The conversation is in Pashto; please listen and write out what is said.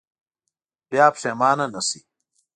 بیا پښېمانه نه شئ.